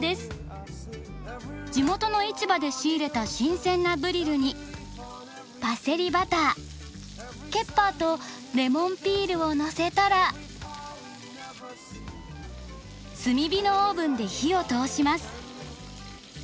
地元の市場で仕入れた新鮮なブリルにパセリバターケッパーとレモンピールをのせたら炭火のオーブンで火を通します。